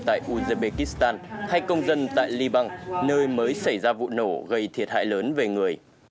tại uzbekistan hay công dân tại liban nơi mới xảy ra vụ nổ gây thiệt hại lớn về người